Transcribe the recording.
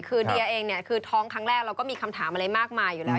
คือเดียเองเนี่ยคือท้องครั้งแรกเราก็มีคำถามอะไรมากมายอยู่แล้ว